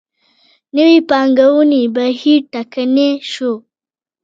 نوې پانګونې بهیر ټکنی شو.